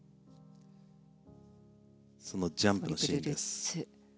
そのジャンプのシーン。